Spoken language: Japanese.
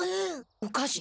おかしい。